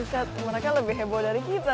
mereka lebih heboh dari kita